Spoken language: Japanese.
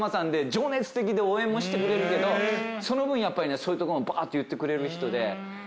情熱的で応援もしてくれるけどその分やっぱりそういうとこもバーって言ってくれる人で。